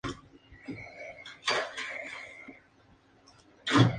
Cuando terminan, Mo y Jason los dejan a la policía que se acerca.